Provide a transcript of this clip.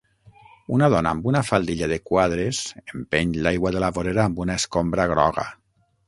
una dona amb una faldilla de quadres empeny l'aigua de la vorera amb una escombra groga.